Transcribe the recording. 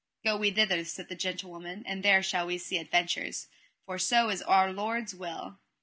Go we thither, said the gentlewoman, and there shall we see adventures, for so is Our Lord's will.